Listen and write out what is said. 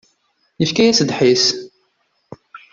Yefka-yas ddḥis.